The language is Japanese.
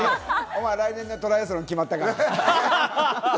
お前、来年のトライアスロンも決まったから。